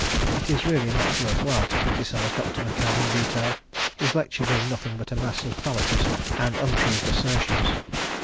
It is really not worth while to criticise Dr. McCann in detail, his lecture being nothing but a mass of fallacies and unproved assertions.